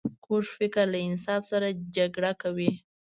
کوږ فکر له انصاف سره جګړه کوي